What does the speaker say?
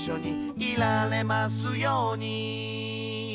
「いられますように」